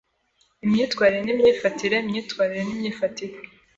Imyitwarire n’Imyifatire myitwarire n’Imyifatire